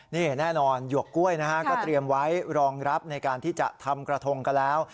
นี่แน่นอนหยวกกล้วยนะฮะก็เตรียมไว้รองรับในการที่จะทำกระทงกันแล้ว